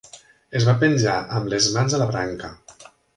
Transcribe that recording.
Es va penjar amb les mans a la branca.